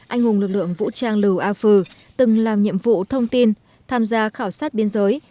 anh hùng lực lượng vũ trang lưu a phừ từng làm nhiệm vụ thông tin tham gia khảo sát biên giới